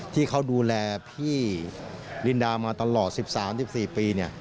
ที่เขาดูแลพี่ลินดามาตลอด๑๓๑๔ปี